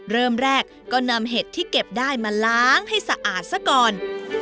เริ่มแรกก็นำเห็ดที่เก็บได้มาล้างให้สะอาดซะก่อน